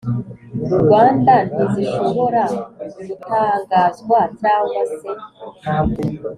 Rwanda ntizishobora gutangazwa cyangwa se